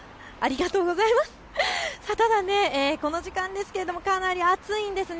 ただ、きょうこの時間ですけれどもかなり暑いんです。